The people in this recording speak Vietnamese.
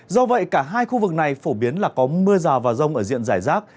do vậy cả hai khu vực này phổ biến là có mưa rào và rông ở diện giải rác